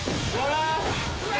うわ！